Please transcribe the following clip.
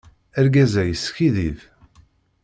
Argaz-a yeskiddib.